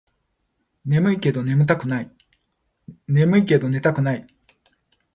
ねむいけど寝たくない